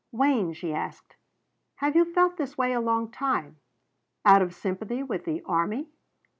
"Wayne," she asked, "have you felt this way a long time? Out of sympathy with the army?"